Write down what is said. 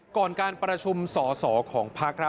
ก่อนการประชุมส่อของภักดิ์